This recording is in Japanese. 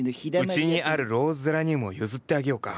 うちにあるローズゼラニウムを譲ってあげようか？